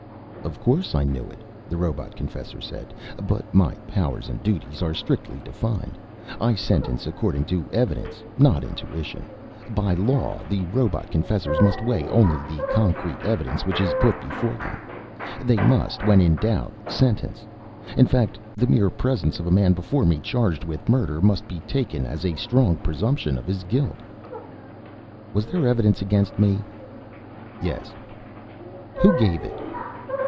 "Of course I knew it," the robot confessor said. "But my powers and duties are strictly defined. I sentence according to evidence, not intuition. By law, the robot confessors must weigh only the concrete evidence which is put before them. They must, when in doubt, sentence. In fact, the mere presence of a man before me charged with murder must be taken as a strong presumption of his guilt." "Was there evidence against me?" "Yes." "Who gave it?"